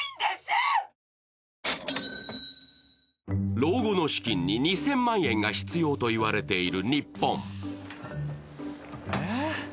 老後の資金に２０００万円が必要といわれている日本。